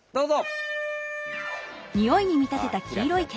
どうぞ！